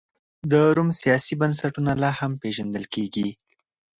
د روم سیاسي بنسټونه لا هم پېژندل کېږي.